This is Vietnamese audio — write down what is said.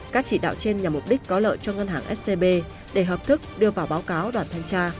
các chỉ đạo trên nhằm mục đích có lợi cho ngân hàng scb để hợp thức đưa vào báo cáo đoàn thanh tra